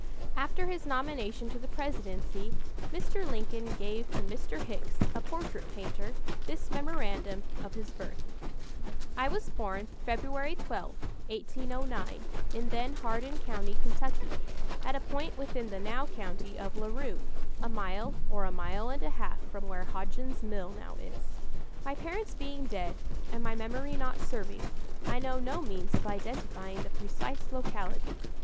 After his nomination to the presidency, Mr. Lincoln gave to Mr. Hicks, a portrait painter, this memorandum of his birth: "I was born February 12, 1809, in then Hardin County, Kentucky, at a point within the now county of Larue, a mile or a mile and a half from where Hodgen's mill now is. My parents being dead, and my memory not serving, I know no means of identifying the precise locality.